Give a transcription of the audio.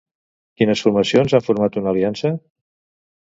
Quines formacions han format una aliança?